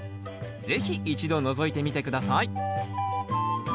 是非一度のぞいてみて下さい。